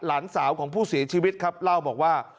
หลานสาวของผู้เสียชีวิตครับเล่าบอกว่า